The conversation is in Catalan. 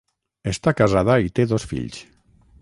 Està casada i té dos fills.